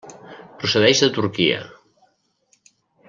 Procedeix de Turquia.